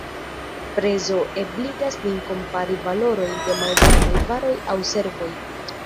Prezo ebligas nin kompari valorojn de malsamaj varoj aŭ servoj.